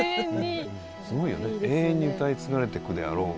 すごいよね永遠に歌い継がれてくであろう唄。